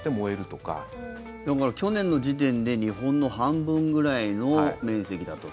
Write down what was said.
だから、去年の時点で日本の半分ぐらいの面積だと。